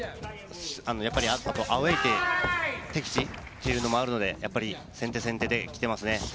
あとアウェーで敵地というのもあるので、先手先手で来ていますね。